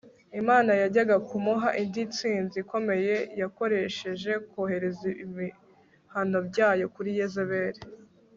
Imana yajyaga kumuha indi ntsinzi ikomeye ikoresheje kohereza ibihano byayo kuri Yezebeli